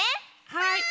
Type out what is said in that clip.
はい。